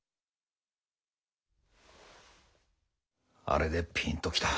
あれでピンときた。